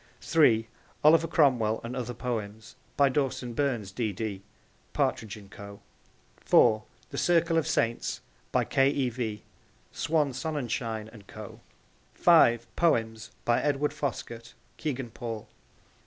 (3) Oliver Cromwell and Other Poems. By Dawson Burns, D.D. (Partridge and Co.) (4) The Circle of Saints. By K. E. V. (Swan Sonnenschein and Co.) (5) Poems. By Edward Foskett. (Kegan Paul.)